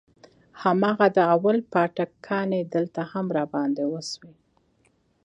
هماغه د اول پاټک کانې دلته هم راباندې وسوې.